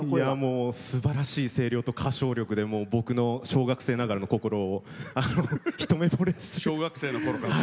すばらしい声量と歌唱力で僕の小学生ながらの心を小学生のころから。